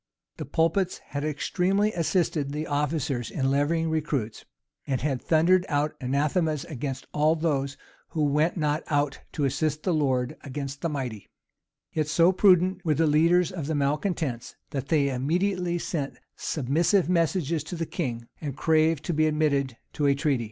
The pulpits had extremely assisted the officers in levying recruits, and had thundered out anathemas against all those "who went not out to assist the Lord against the mighty."[] Yet so prudent were the leaders of the malecontents, that they immediately sent submissive messages to the king, and craved to be admitted to a treaty. * Rush. vol. iii. p. 1329.